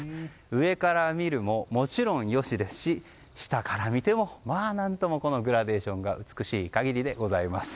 上から見るももちろん良しですし下から見ても何ともグラデーションが美しい限りでございます。